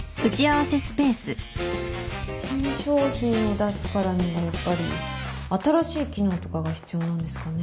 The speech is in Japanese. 新商品を出すからにはやっぱり新しい機能とかが必要なんですかね？